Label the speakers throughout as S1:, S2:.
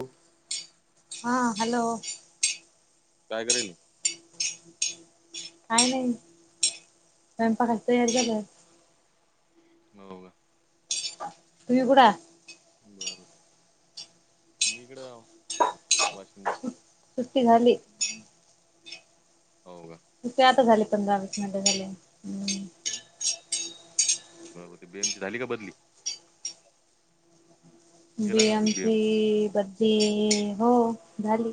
S1: हो. [inaudible]
S2: हा हॅलो.
S1: काय करायची?
S2: काय नाही स्वयंपाकाची तयार झालंय.
S1: हो का.
S2: तुम्ही कुडाय?
S1: बरं! मी ईकड वाशीम ले.
S2: सु्ट्टी झाली.
S1: हो का.
S2: ते आता झाले पंधरा वीस मिनिट झाले हूं!
S1: बरोबर, ते बीएम झाली का बदली? गेला का
S2: बीएम ची बदली हो झाली.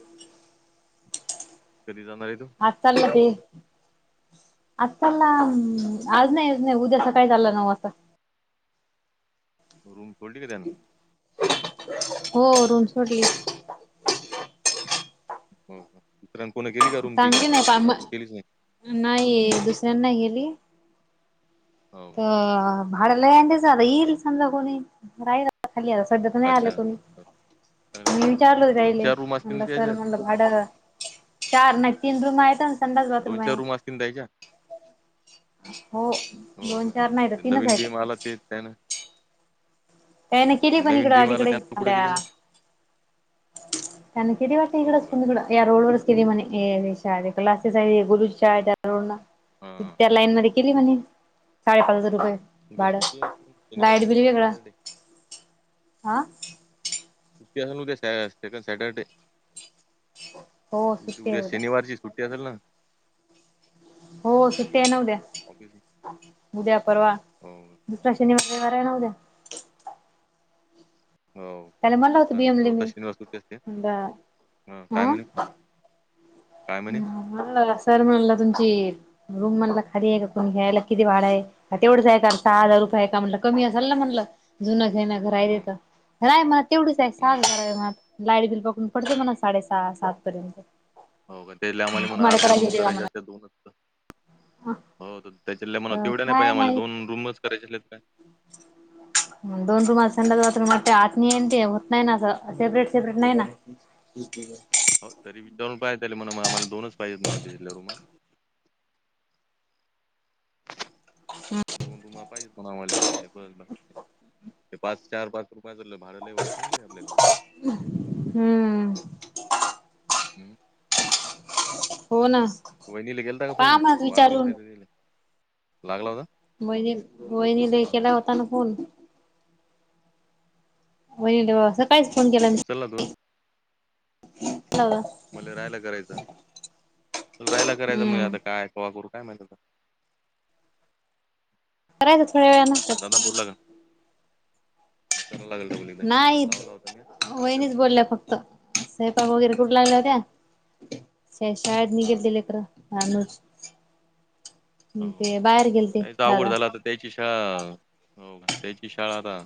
S1: कधी जाणार आहे तो?
S2: आज चालला की. आज चालला उम्म्म आज नाही, आज नाही उद्या सकाळी चालला नऊ वाजता.
S1: रूम सोडली का त्यांन.
S2: हो रूम सोडली.
S1: हो का, दुसऱ्यान कोण केली का रूम ती
S2: चांगली
S1: अजू, अजून केलीच नाही
S2: नाही दुसऱ्यां
S1: हा?
S2: नाही गेली
S1: हो
S2: प. भाड लयी [unintelligible] येईल समजा कोणी राहायला. खालीय सद्या त नाही आलं
S1: अच्छा
S2: कोणी,
S1: चांगलं.
S2: मी विचारल
S1: दोन
S2: त्यायले,
S1: चार रूम असतील
S2: म्हणलं
S1: ना
S2: सर
S1: त्याच्यात
S2: म्हनल. वाड. चार नाही, तीन रूम आहेत. संडास बाथरूम
S1: दोन, चार,
S2: आहे.
S1: रूम असतील द्यायच्या.
S2: हो
S1: हो
S2: दोन
S1: का
S2: चार नाही तर
S1: ते
S2: तीनच
S1: नवीन
S2: आहेत.
S1: बीएम आला तेच त्यानं
S2: त्यांन केली पण
S1: नवीन
S2: इकडे
S1: बीम आला
S2: अलीकडे
S1: त्यानं कुठे गेली
S2: त्या
S1: ना
S2: त्यांन केली वाटत
S1: हो
S2: इकडंच
S1: का
S2: कु या रोड वरच केली म्हणे हे सारे क्लासेस आहे हे गोलु शाळेच्या रोड न.
S1: हा
S2: त्या लाईन मध्ये केली म्हणे, साडेपाच हजार रुपये.
S1: उद्या
S2: भाडं
S1: सुट्टी असेल शनिवार
S2: लाईट बिल
S1: सेकंड
S2: वेगळं
S1: सॅटर्डे.
S2: हा!
S1: सुट्टी असेल उद्या शाळेला सेकंड सॅटर्डे.
S2: हो सुट्टी आहे
S1: उ-उद्या
S2: उद्या
S1: शनिवारची सुट्टी असेल ना.
S2: हो सुट्टी आहे न उद्या,
S1: ऑफिस
S2: उद्या परवा.
S1: हो का.
S2: दुसरा शनिवार, रविवार आहे न उदया.
S1: हो
S2: त्याला म्हणलं होतं
S1: दुसरा न
S2: बीएमले
S1: चौथा
S2: मी
S1: शनिवार सुट्टी असते.
S2: म्हणलं
S1: हं काय म्हणे, काय म्हणे?
S2: म्हणला ना सर म्हणलं तुमची रूम म्हणल खाली आहे का, कोनी घ्यायला किती भाड आहे? तेवढंच आहे का सहा हजार रुपये का म्हनलं कमी असल ना म्हनलं. जुनं घेण
S1: हं,
S2: घरायेत नाही म तेवढुच आहे
S1: हं.
S2: साहं हजार म्ह लाईट दिल पकडून पडते मणा, साडेसहा सात पर्यंत.
S1: हो का त्याले आम्हाले म्हना
S2: तुम्हाला
S1: अर्ध्या
S2: करायची
S1: रूम
S2: होती का
S1: करायचे
S2: म्हणा
S1: असत्या दोनच त. हो तर त्याच्यातल्या म्हना
S2: तर
S1: तेवढ्या नाही पाहिे
S2: काय
S1: आम्हाला दोन
S2: माहित
S1: रूमच करायचे असल्या त काय? [inaudible]
S2: दोन रूम आसंडास बाथरूम ते आत नही न ते होत नाही ना असं सेपरेट, सेपरेट नाही ना. [unintelligible]
S1: हो तरी विचारून पाह त्याले म्हणा म आम्हाला दोनच पाजेत म्हणा त्याच्यातल्या रूमा. दोन रुमा पाहिजेत म्हणा आम्हाला त्याच्यातल्या की ते पाच चार पाच रुपयाचाल्ल भाड लय वतील रे आपल्या नी
S2: हूं
S1: हम्मं
S2: हो ना
S1: वहिणीला केलता का
S2: पहा
S1: फोन
S2: मग
S1: वाढदिवस
S2: विचारून
S1: हाय ती लागला होता.
S2: वहिनी वहिनीलाही
S1: हो का?
S2: केला होता ना फोन. वहिनीला [unintelligible]
S1: हो
S2: केला
S1: का
S2: मी
S1: ऊचलला तूझा
S2: चलला
S1: मले राहायला करायचं राहायला करायचं मग
S2: हम्म.
S1: आता काय कवा करू काय माहित आता
S2: करायचं थोड्यावेळान त्यातकाय
S1: म करायला लागल डबल एक
S2: नाहीच वहिणीच बोलल्या फक्त सैपाक वगैरे करू लागल्या होत्या शाळे शाळेत
S1: हा.
S2: निघेलती लेकर आणि मग
S1: हो.
S2: ते बाहेर गेलते
S1: त्याचा अवघड
S2: दादा
S1: झाला आता त्याची शाळा हो त्याची शाळा आता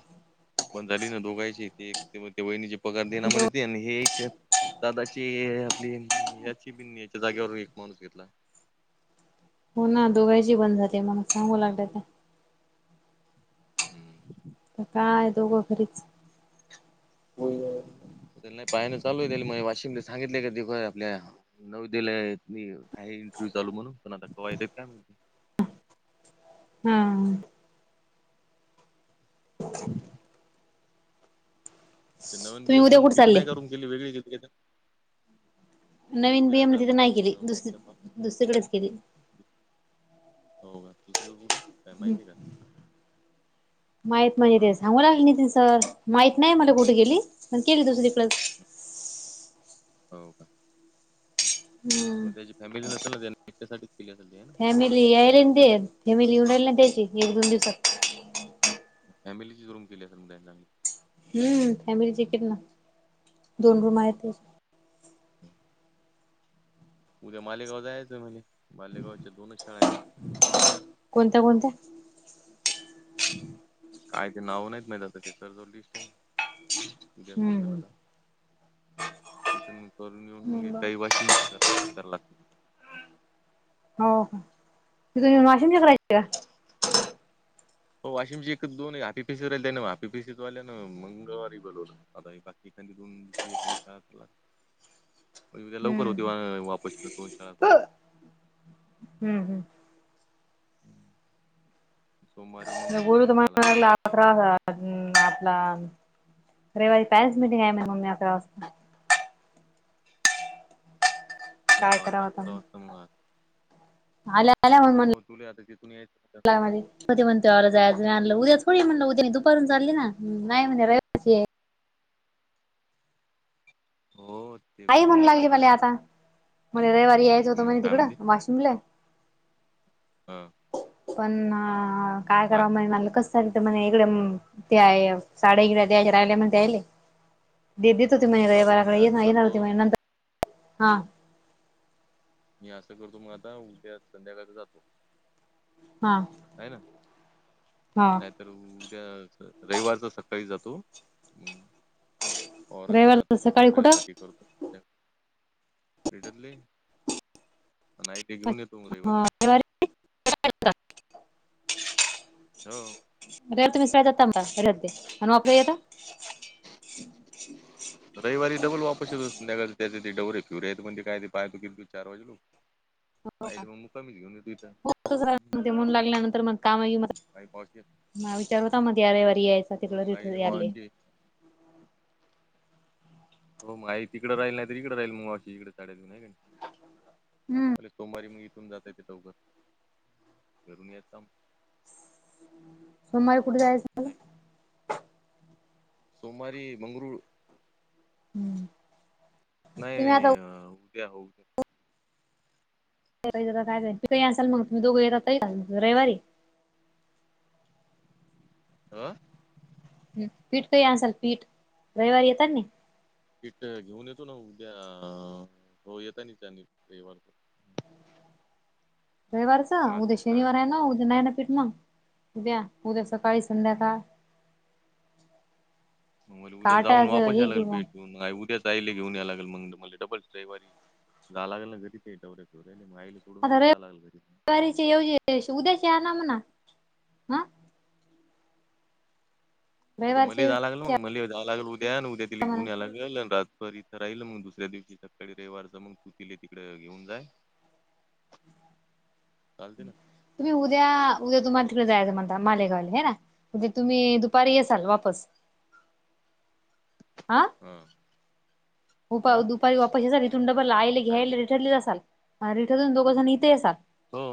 S1: पण झाली ना दोघायची एक एक की म ते वहिणीचे पगार दे ना
S2: दो
S1: म्हणे ते आणि हे हेच्यात दादाची आपली, याची बि याच्या जाग्यावर एक माणूस घेतला.
S2: हो ना दोघायची बंद झाले, म्हणून सांगू लागल्या होत्या.
S1: हम्म,
S2: त काय दोघं घरीच.
S1: ते न पाहाण चालू ये ना त्या म वाशिमला सांगितलेय कधी प ते आपल्या नौओदले येत मी आहे इंटरव्ह्यू चालू म्हणून, पण आता कवा येतात काय माहिती
S2: हा, [unintelligible]
S1: ते नवीन
S2: तुम्ही
S1: बीएम
S2: उद्या
S1: न मग,
S2: कुठे
S1: तिथं
S2: चालले
S1: नाय का रूम दिली वेगळी घेतली का आता त्यानं?
S2: नवीन
S1: उद्या
S2: बिएम तिथ नाय केली, दुसरी दुसरीकडच केली.
S1: हो का दुसरीकड कुठं काय माहिती ये का?
S2: माहित म्हणजे
S1: आ
S2: तेे सांगू लागली नी सगळ्या माहित नाय मला कुठ गेली पण केली दुसरीकड
S1: हो का?
S2: [unintelligible]
S1: म त्याची फॅमिली नसल नं त्यानं तिच्या साठीच केली असल ती हाय ना
S2: फॅमिली यायले नं ते, फॅमिली येऊ राहिली ना त्याची, एक दोन दिवसात
S1: म फॅमिलीचीच रूम केली सल म त्यांनी चांगली
S2: हम्म, फॅमिलीची केली ना, दोन रूम आहेती.
S1: [unintelligible] उद्या मालेगाव जायचंय मले, मालेगावच्या दोनच शाळा आहेत.
S2: कोणत्या कोणत्या?
S1: काय ते नाव नाहीत माहीत, आता त्यांचं जवळ लिस्ट हाय. उदया समजलं
S2: हम्म
S1: आता तिथून करून, येऊन मग काही वाशिमची करावं लागतील.
S2: हो का, त तुम वाशिमच्या करायच्या का?
S1: हो वाशिमची एक दोन हाफिपिस राहिल्या ना, हापिसवाल्याना मंगळवारी बोलवलं. आता ये बाकीच्यांनी दोन दुसरी एखादी शाळा करा आता उदया लवकर होती
S2: हम्म
S1: व वापस, ना दोन शाळा करून
S2: हम्म हम्म.
S1: सोमवारी मग
S2: बोलू तर
S1: गुरुवारी झाला.
S2: मला लागला अकरा हा हम आपला रविवारी पॅरेंटस मीटिंग आहे मम्मी आता.
S1: हो,
S2: काय करावं
S1: आता
S2: मग
S1: [unintelligible]
S2: [unintelligible]
S1: हो, तुला आता तिथून यायचं [unintelligible]
S2: कधी म्हणल तेव्हा जायच, उद्या थोडी म्हणलं, उद्या दुपारून चालली, ना हम नाही म्हणे रविवारी
S1: हो. ते
S2: आई म्हणू
S1: बरोबर आहे
S2: लागली
S1: बिंद्रे
S2: मले
S1: दादा
S2: आता, मला रविवारी यायच होतं
S1: हम्म
S2: म्हणे
S1: काय
S2: तिकडं,
S1: म्हणते
S2: वाशिमले.
S1: हा.
S2: पण, काय कराव [unintelligible] तर ते म्हणे, इकडे ते आहे साड्या इकडे द्यायच्या राहिल्या म्हणयले. देत देत होती म्हणे,
S1: जाऊ दे मग मी
S2: रविवाराकडे
S1: असं
S2: येे-येणार
S1: करतो
S2: होती म्हणे नंतर. हा.
S1: मी असं करतो मग आता, उद्याच संध्याकाळ जातो.
S2: हा.
S1: हाय ना.
S2: हा
S1: तर, उद्या रविवारचा सकाळी जातो मग औरातनी
S2: रविवार
S1: जातो ते,
S2: सकाळी कुठं
S1: [unintelligible] करतो. भेटतले? नाही ते घेऊन येतो म रविवारी. हो
S2: [unintelligible] [unintelligible]
S1: [inaudible] रविवारी डबल वापस [unintelligible] नाही तर मग मी घेऊन येतो हीतं.
S2: [unintelligible]
S1: काही पोहोचतील.
S2: माझं विचार होता मध्ये हा रविवारी यायचा तिकडं
S1: मग आईले
S2: [unintelligible]
S1: मावशी हो मग आई तिकडे राहील नाही तर इकडे राहील मग माउशी इकडेच राहायच नाही काय.
S2: हम्म.
S1: अले सोमवारी मग इथून जातंय त्या चौकात. करून येतो.
S2: सोमवारी कुठे जायचं?
S1: नाही सोमवारी, मंगळूर, नाही
S2: तुम्ही
S1: नाही
S2: आता
S1: अ अ [unintelligible]
S2: [unintelligible] रविवारी.
S1: हां?
S2: ह पीठ असाल पीठ. रविवारी येतात नाही.
S1: पीठ घेऊन येतो ना उद्या. हो येता नि त्यांनी रविवार
S2: रविवारचं.
S1: पाहतो
S2: उद्या
S1: ना काय
S2: शनिवार आहे ना उद्या नाही ना पीट मग. उद्या उद्या सकाळी संध्याकाळ.
S1: मग मला
S2: का
S1: उद्या जाऊन
S2: आटाच
S1: वापस या
S2: हे
S1: लागलं
S2: घेऊ मग
S1: पेटून मग उद्या साहील ला घेऊन या लागेल मग मला डबल रविवारी. जा लागेल ना घरी [unintelligible]
S2: आता [inaudible]
S1: लागेल घरी
S2: रविवारीची येवजी उद्याच या ना [unintelligible] हा
S1: उद्या मली
S2: रविवारचे
S1: जावं लागल मग मले जावं लागल उद्या आणि उद्या तिला घेऊन याय लागल आणि रा परी इथं राहिल मग दुसऱ्या दिवशी सकाळी रविवारच मग तू तिले तिकडे घेऊन जा. चालते ना.
S2: तुम्ही उद्या, उद्या तुम्हाला तिकडे जायचं म्हणता मालेगावला आहे ना. म्हणजे तुम्ही दुपारी येसाल वापस.
S1: [inaudible]
S2: अ
S1: हा
S2: उपा
S1: हा
S2: दुपारी वापस येसाल. इथून डबल आईले
S1: काय
S2: घ्यायले रीटनली जासाल. अ रिटर्न तुम्ही दोघ जण इथ येसाल.
S1: हो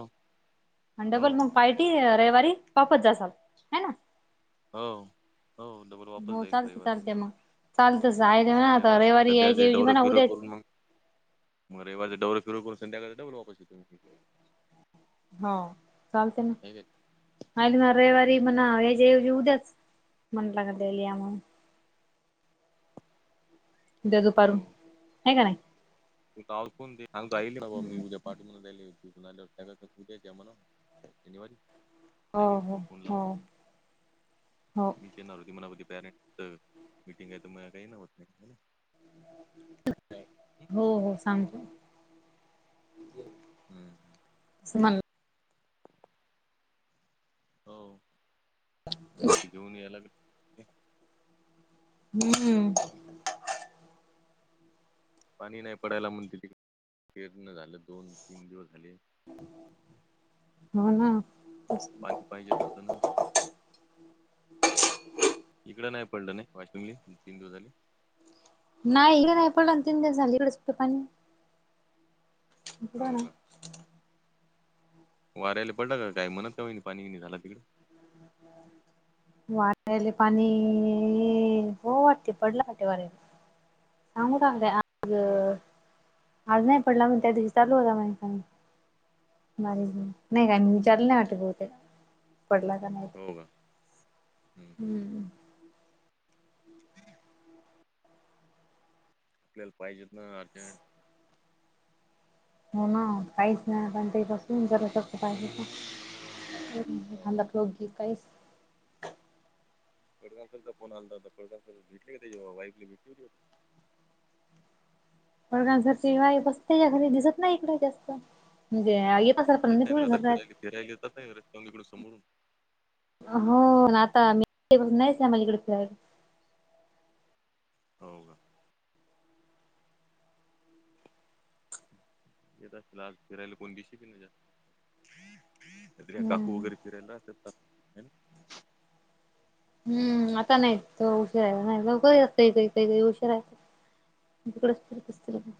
S2: आणि
S1: हो,
S2: डबल मग पार्टी रविवारी वापस जासाल. हे ना.
S1: हो हो डबल वापस जाईल रविवारी.
S2: चालत जा
S1: रविवारी सध्याचे डवर फिवर करून मग मग रविवारी डवर फिवर करून, संध्याकाळी डबल वापस येतो मी.
S2: हा चालते ना.
S1: नाही काय?
S2: आणि ना रविवारी म्हणा ह्याज्या ऐवजी उद्याच म्हणल का त्याले या म्हणून. उद्या दुपारून,
S1: हो.
S2: आहे का नाही.
S1: [unintelligible] शनिवारी, आहे
S2: हो
S1: काय नाही
S2: हो
S1: तू फोन लाव.
S2: हो हो
S1: येणार होती म पॅरेंट मीटिंग आहे तर काही ना होत नाही.
S2: हो हो सांगते.
S1: हम्म
S2: [unintelligible]
S1: हो ते घेऊन या लागल.
S2: हम्म
S1: पाणी नाही पडायला म्हणते तिकड. पेरण्या झाल दोन तीन दिवस झाले.
S2: हो ना
S1: पाणी पाहिजेच होत ना. इकड नाही पडल ना वाशिमले. दोन तीन दिवस झाले.
S2: नाही इकडे नाही पडला. तीन दिवस झाले इकडे सुद्धा पाणी नाही. इकड
S1: हो
S2: आना.
S1: का? वाऱ्याला पडला काय? म्हणत का पाणी नाही झाला तिकडे.
S2: वाऱ्याले पाणी, हो वाटते पडल वाटते वाऱ्याले. काम थांबल्या अग‌.
S1: हो,
S2: आज नाही पडला म्हणून त्या दिवशी चालू होता. नाही काय मी विचारल नाही वाटत बहुतेक. पडला का नाही.
S1: हो का हं, हं.
S2: हम्म
S1: आपल्याला पाहिजेत ना अर्जेंट.
S2: हो ना काहीच नाही आपण. [unintelligible]
S1: पडगावकरांचा फोन आलता. पडगावकर भेटली होती का त्याची वाईफले तु.
S2: प्रधान सरची वाहीफ असते या घरी दिसत नाही इकडे जास्त. म्हणजेे येत असल.
S1: येत नाही का आत्ता फिरायला. फिरायला येतात ना रस्तावर इकड समोरून.
S2: हो आता मी नाहीच नाही आम्हाला इकडे फिरायला.
S1: हो का येत असत आज फिरायला कोण दिवशी भी नाही जास्त. त्या काकू
S2: हम्म
S1: वगैरे फिरायला राहता. तर [unintelligible]
S2: हूम्म आता नाही तो उशीरा येणार नाही लवकर येतोय काही काही उशिरा तिकडेच फिरत असतोय.